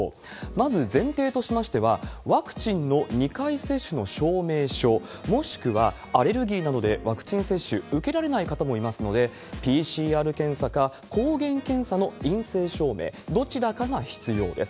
まず前提としましては、ワクチンの２回接種の証明書、もしくは、アレルギーなどでワクチン接種受けられない方もいますので、ＰＣＲ検査か、抗原検査の陰性照明、どちらかが必要です。